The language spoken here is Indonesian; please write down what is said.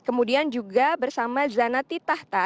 kemudian juga bersama zanati tahta